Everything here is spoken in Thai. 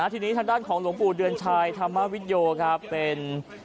ที่นี้ทางด้านของหลวงปู่เดือนชาร์ยธรรมวิไยยน์